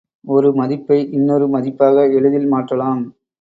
ஒரு மதிப்பை இன்னொரு மதிப்பாக எளிதில் மாற்றலாம்.